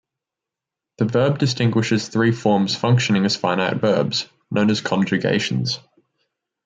The verb distinguishes three forms functioning as finite verbs, known as "conjugations".